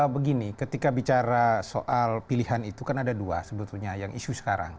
begini ketika bicara soal pilihan itu kan ada dua sebetulnya yang isu sekarang